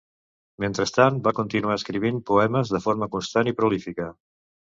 Mentrestant, va continuar escrivint poemes de forma constant i prolífica.